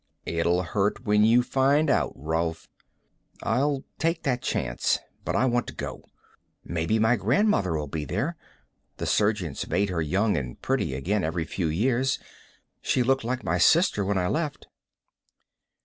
"It'll hurt when you find out, Rolf." "I'll take that chance. But I want to go. Maybe my grandmother'll be there. The surgeons made her young and pretty again every few years; she looked like my sister when I left."